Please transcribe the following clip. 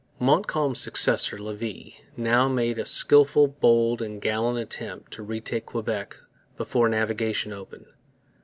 Montcalm's successor, Levis, now made a skilful, bold, and gallant attempt to retake Quebec before navigation opened.